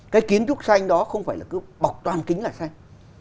cái kiến trúc xanh đó không phải là cứ bọc toàn kính là xanh